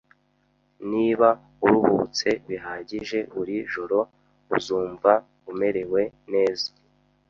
Niba uruhutse bihagije buri joro, uzumva umerewe neza